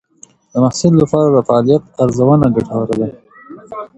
د محصل لپاره د فعالیت ارزونه ګټوره ده.